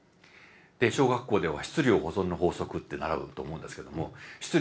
小学校では質量保存の法則って習うと思うんですけども質量は無くならない。